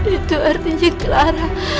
itu artinya kelara